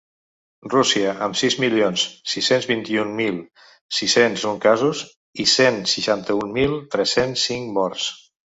Rússia, amb sis milions sis-cents vint-i-un mil sis-cents un casos i cent setanta-un mil tres-cents cinc morts.